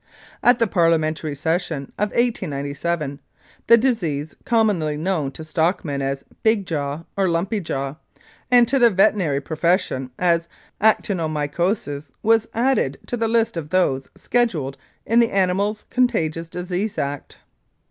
At the Parlia mentary Session of 1897 tne disease commonly known to stockmen as "big jaw" or "lumpy jaw," and to the veterinary profession as "actinomycosis," was added to the list of those scheduled in the Animals Contagious Diseases Act.